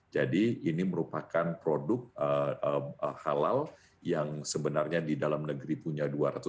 jadi ini merupakan produk halal yang sebenarnya di dalam negeri punya dua ratus tujuh puluh tiga